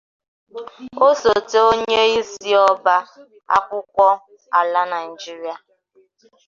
osote onyeisi ọba akwụkwọ ala Nigeria